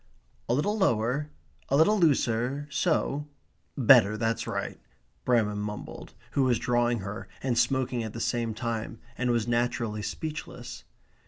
"A little lower, a little looser, so better, that's right," Bramham mumbled, who was drawing her, and smoking at the same time, and was naturally speechless.